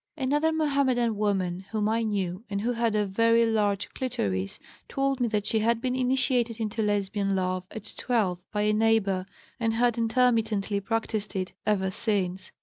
Another Mohammedan woman whom I knew, and who had a very large clitoris, told me that she had been initiated into Lesbian love at 12 by a neighbor and had intermittently practised it ever since.